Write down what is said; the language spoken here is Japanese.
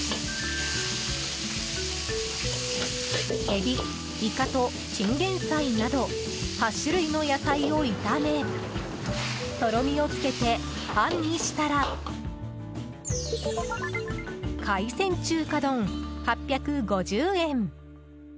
エビ、イカとチンゲンサイなど８種類の野菜を炒めとろみをつけて、あんにしたら海鮮中華丼、８５０円。